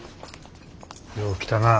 よう来たな。